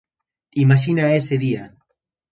Imaxina ese día.